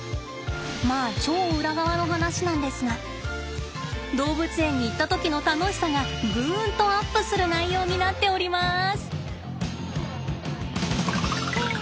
まあ超裏側の話なんですが動物園に行った時の楽しさがぐんとアップする内容になっております。